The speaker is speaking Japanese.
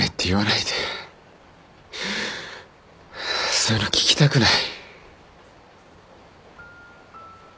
そういうの聞きたくない。